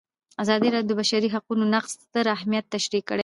ازادي راډیو د د بشري حقونو نقض ستر اهميت تشریح کړی.